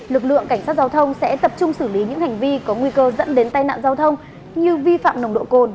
lực lượng cảnh sát giao thông sẽ tập trung xử lý những hành vi có nguy cơ dẫn đến tai nạn giao thông như vi phạm nồng độ cồn